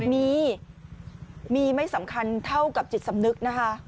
มีมีไม่สำคัญเท่ากับจิตสำนึกนะคะ